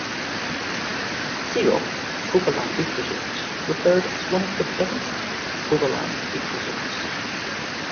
"SeaRock - Kovalam Beach Resorts" referred as one of the best Kovalam Beach Resorts.